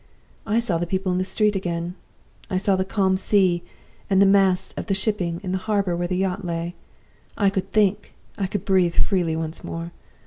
"I saw the people in the street again! I saw the calm sea, and the masts of the shipping in the harbor where the yacht lay! I could think, I could breathe freely once more!